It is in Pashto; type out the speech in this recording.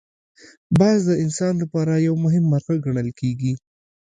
باز د انسان لپاره یو مهم مرغه ګڼل کېږي